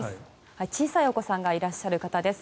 小さいお子さんがいらっしゃる方です。